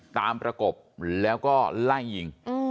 ประกบแล้วก็ไล่ยิง